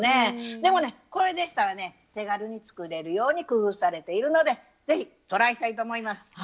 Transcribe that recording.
でもねこれでしたらね手軽に作れるように工夫されているので是非トライしたいと思います。